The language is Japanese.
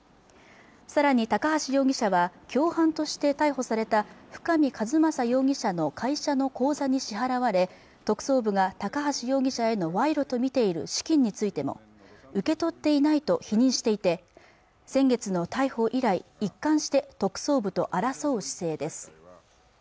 さらに高橋容疑者は共犯として逮捕された深見和政容疑者の会社の口座に支払われ特捜部が高橋容疑者への賄賂と見ている資金についても受け取っていないと否認していて先月の逮捕以来一貫して特捜部と争う姿勢です